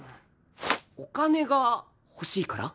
お金が欲しいから？